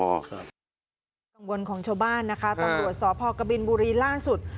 ตรงบนของชบ้านนะคะตรวจสพกบิลบุรีล่าสุด